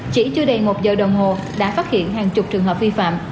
chỉ chưa đầy một giờ đồng hồ đã phát hiện hàng chục trường hợp vi phạm